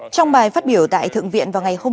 trong bài phát biểu tại thượng viện vào ngày hôm nay